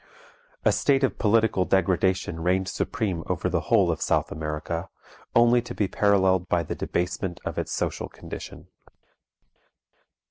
A state of political degradation reigned supreme over the whole of South America, only to be paralleled by the debasement of its social condition.